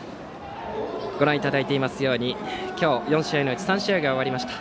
ご覧いただいていますように今日、４試合のうち３試合が終わりました。